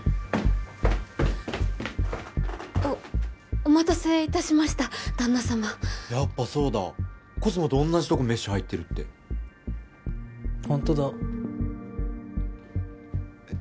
おお待たせ致しました旦那さまやっぱそうだコスモと同じとこメッシュ入ってるってほんとだえっ？